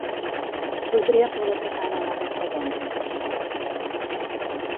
Voldria fer una trucada a la Berta Gonzi, es pot?